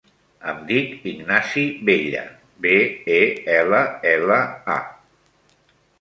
Em dic Ignasi Bella: be, e, ela, ela, a.